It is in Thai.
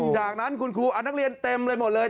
จากนั้นคุณครูนักเรียนเต็มไปหมดเลย